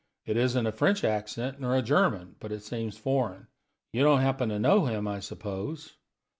"It isn't a French accent, nor a German; but it seems foreign. You don't happen to know him, I suppose?"